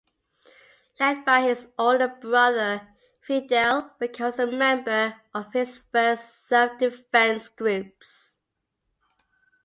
Led by his older brother, Fidel becomes a member of his first self-defense groups.